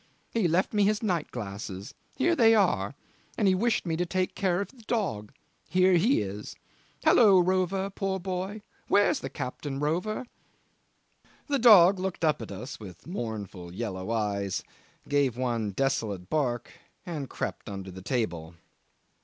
He left me his night glasses here they are; and he wished me to take care of the dog here he is. Hallo, Rover, poor boy. Where's the captain, Rover?" The dog looked up at us with mournful yellow eyes, gave one desolate bark, and crept under the table.